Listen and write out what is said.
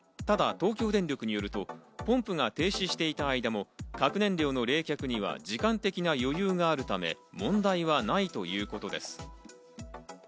ただ東京電力によるとポンプが停止していた間も核燃料の冷却には時間的な余裕があるため、問題はないということです。